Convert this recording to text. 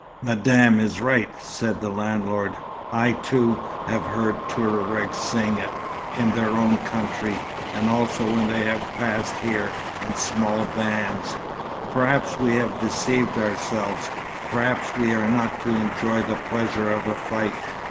"Madame is right," said the landlord. "I, too, have heard Touaregs sing it, in their own country, and also when they have passed here, in small bands. Perhaps we have deceived ourselves. Perhaps we are not to enjoy the pleasure of a fight.